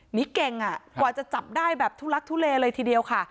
เก่งกว่าจะจับได้แบบทุลักทุเลเลยทีเดียวค่ะ